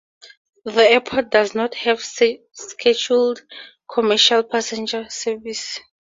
The airport does not have scheduled commercial passenger service.